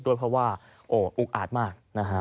ด้วยเพราะว่าอุ๊กอาดมาก